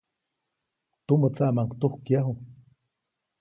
Tumä tsaʼmaʼuŋ tujkyaju.